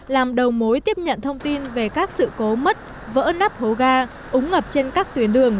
làm đầu mối tiếp nhận thông tin về các sự cố mất vỡ nắp hố ga úng ngập trên các tuyến đường